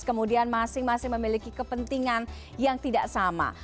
kemudian masing masing memiliki kepentingan yang tidak sama